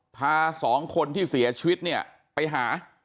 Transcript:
พาสองคนที่เสียชีวิตเนี่ยไปหา